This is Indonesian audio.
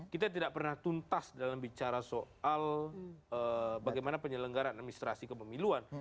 kita tidak pernah tuntas dalam bicara soal bagaimana penyelenggara administrasi kepemiluan